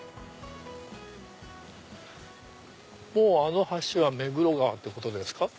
あの橋目黒川ってことですか。